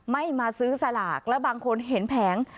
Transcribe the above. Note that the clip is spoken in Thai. ไม่มาซื้อสลากแล้วบางคนเห็นแผง